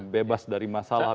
bebas dari masalah